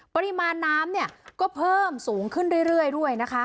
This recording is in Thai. ปริมาณน้ำเนี่ยก็เพิ่มสูงขึ้นเรื่อยด้วยนะคะ